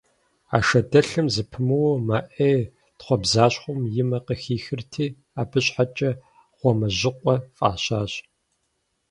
А шэдылъэм зэпымыууэ мэ Ӏей, тхъуэбзащхъуэм и мэ къыхихырти, абы щхьэкӀэ «Гъуамэжьыкъуэ» фӀащащ.